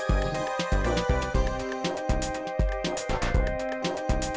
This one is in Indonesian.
ayah banyak jadi nama